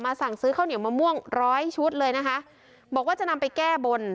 สั่งซื้อข้าวเหนียวมะม่วงร้อยชุดเลยนะคะบอกว่าจะนำไปแก้บน